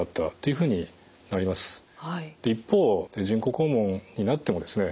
一方人工肛門になってもですね